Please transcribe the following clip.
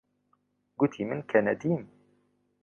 گوتی من کەنەدیم.